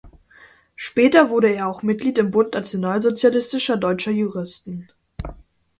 Später wurde er auch Mitglied im Bund Nationalsozialistischer Deutscher Juristen.